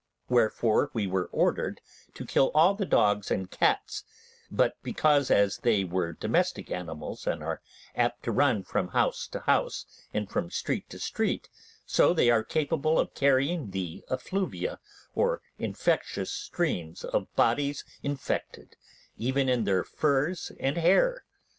Wherefore were we ordered to kill all the dogs and cats, but because as they were domestic animals, and are apt to run from house to house and from street to street, so they are capable of carrying the effluvia or infectious streams of bodies infected even in their furs and hair?